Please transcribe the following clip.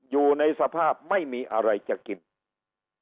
มากอยู่ในสภาพไม่มีอะไรจะกินโดยเฉพาะคนที่เป็นผู้ใช้แรงงานเขาตกงานเพราะ